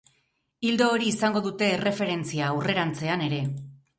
Ildo hori izango dute erreferentzia aurrerantzean ere.